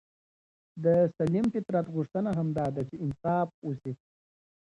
د سلیم فطرت غوښتنه همدا ده چي انصاف وسي.